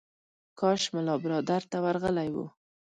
کاش ملا برادر ته ورغلی و.